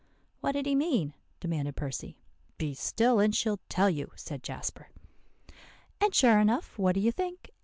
'" "What did he mean?" demanded Percy. "Be still, and she'll tell you," said Jasper. "And sure enough, what do you think.